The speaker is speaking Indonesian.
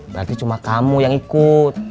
berarti cuma kamu yang ikut